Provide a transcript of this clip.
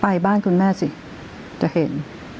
ไปบ้านคุณแม่สิจะเห็น